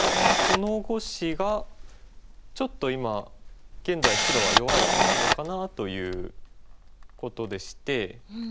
この５子がちょっと今現在白は弱い立場かなということでして。